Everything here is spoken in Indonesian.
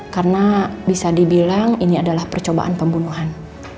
karena bisa dibilang ini adalah percobaan pembunuhan